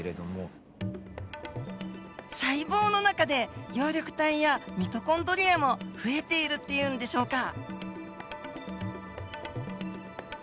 細胞の中で葉緑体やミトコンドリアも増えているっていうんでしょうか。